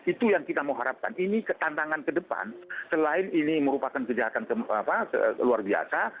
itu yang kita mau harapkan ini tantangan ke depan selain ini merupakan kejahatan luar biasa